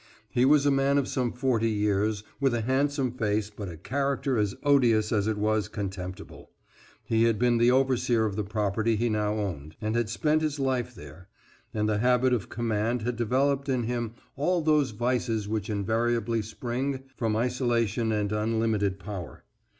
He was a man of some forty years, with a handsome face but a character as odious as it was contemptible. He had been the overseer of the property he now owned, and had spent his life there, and the habit of command had developed in him all those vices which invariably spring from isolation and unlimited power.